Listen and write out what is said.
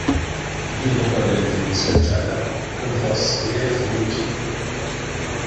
Jien ukoll irrid immiss wiċċ Alla u nħoss idejh fuq wiċċi.